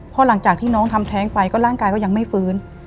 พอหลังจากที่น้องทำแท้งไปก็ร่างกายก็ยังไม่ฟื้น